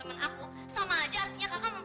eh emang adik lo makannya gak banyak